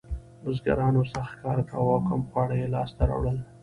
بزګرانو سخت کار کاوه او کم خواړه یې لاسته راوړل.